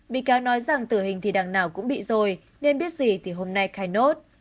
bị cáo nói rằng tử hình thì đằng nào cũng bị rồi nên biết gì thì hôm nay khai nốt